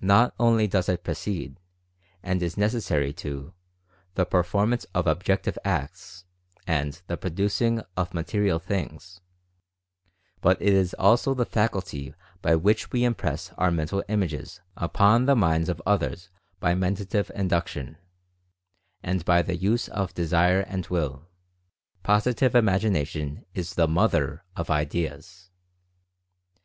Not only does it precede, and is necessary to, the performance of objective acts, and the producing of material things — but it is also the faculty by which we impress our mental images upon the minds of others by Men tative Induction, and by the use of Desire and Will. Positive Imagination is the mother of "Ideas."